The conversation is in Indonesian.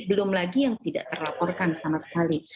belum lagi yang tidak terlaporkan sama sekali